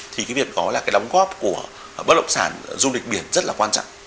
thì việc đó là đóng góp của bất động sản du lịch biển rất là quan trọng